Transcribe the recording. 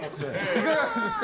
いかがですか？